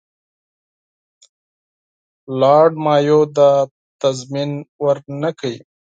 لارډ مایو دا تضمین ورنه کړ.